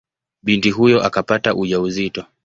Binti huyo akapata ujauzito.